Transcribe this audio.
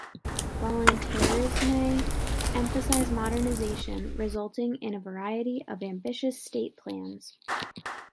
Volontarisme emphasized modernization, resulting in a variety of ambitious state plans.